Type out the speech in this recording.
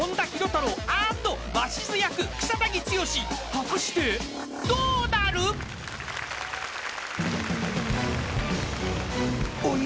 ［果たしてどうなる？］おい。